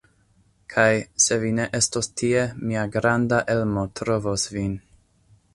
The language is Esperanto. Kaj, se vi ne estos tie, mia granda Elmo trovos vin.